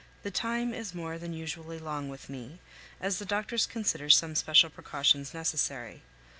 The time is more than usually long with me, as the doctors consider some special precautions necessary.